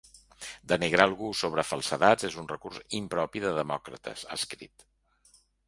Denigrar algú sobre falsedats és un recurs impropi de demòcrates, ha escrit.